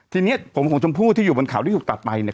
ทีนี้ผมของชมพู่ที่อยู่บนเขาที่ถูกตัดไปเนี่ย